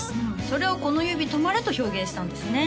それを「このゆびとまれ」と表現したんですね